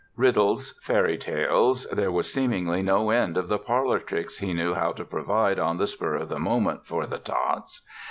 Riddles, fairy tales—there was seemingly no end of the parlor tricks he knew how to provide on the spur of the moment for the tots.